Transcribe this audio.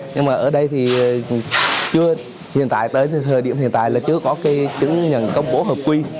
nhưng mà ở đây thì hiện tại tới thời điểm hiện tại là chưa có cái chứng nhận công bố hợp quy